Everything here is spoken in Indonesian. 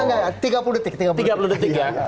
enggak tiga puluh detik